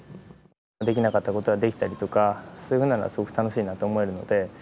できなかったことができたりとかそういうふうなのはすごく楽しいなと思えるので。